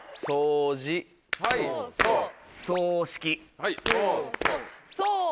そうそう。